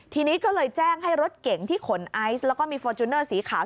ทีนี้ก็เลยแจ้งให้รถเก๋งที่ขนไอซ์แล้วก็มีฟอร์จูเนอร์สีขาว